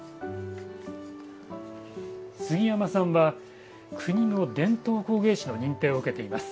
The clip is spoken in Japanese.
杉山さんは国の伝統工芸士の認定を受けています。